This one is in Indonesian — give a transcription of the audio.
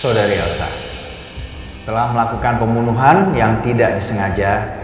saudari elsa telah melakukan pembunuhan yang tidak disengaja